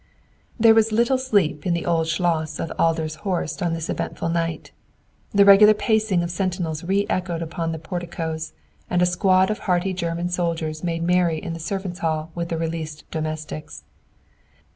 There was little sleep in the old schloss of Adler's Horst on this eventful night. The regular pacing of sentinels reechoed upon the porticos, and a squad of hearty German soldiers made merry in the servants' hall with the released domestics.